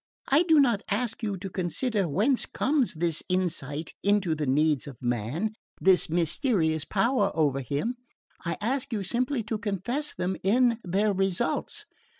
I do not ask you to consider whence comes this insight into the needs of man, this mysterious power over him; I ask you simply to confess them in their results.